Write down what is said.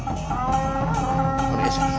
お願いします。